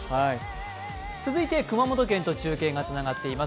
続いて熊本県と中継がつながっています。